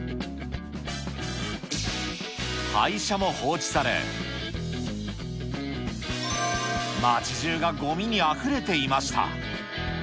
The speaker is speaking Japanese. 廃車も放置され、街中がごみにあふれていました。